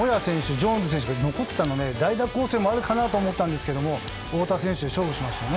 ジョーンズ選手が残ったので代打攻勢もあるかなと思ったんですが太田選手が勝負しましたね。